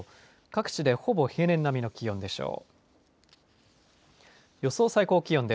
各地でほぼ平年並みの気温でしょう。